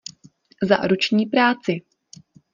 Za ruční práci!